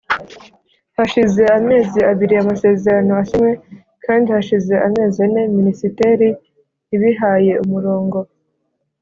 Hashize amezi abiri amasezerano asinywe kandi hashize amezi ane Minisiteri ibihaye umurongo